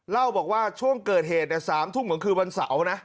เล่าบอกว่าช่วงเกิดเหตุ๓ทุ่มของคืนวันเสาร์นะ